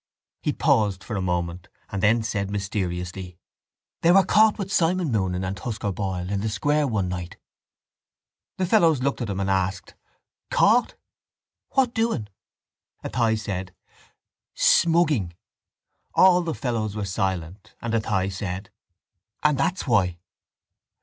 He paused for a moment and then said mysteriously: —They were caught with Simon Moonan and Tusker Boyle in the square one night. The fellows looked at him and asked: —Caught? —What doing? Athy said: —Smugging. All the fellows were silent: and Athy said: —And that's why.